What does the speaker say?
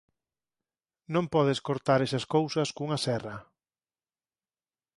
Non podes cortar esas cousas cunha serra.